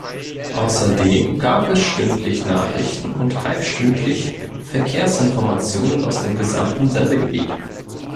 Außerdem gab es stündlich Nachrichten und halbstündlich Verkehrsinformationen aus dem gesamten Sendegebiet.